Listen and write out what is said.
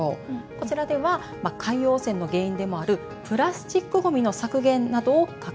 こちらでは海洋汚染の原因でもあるプラスチックゴミの削減などを掲げています。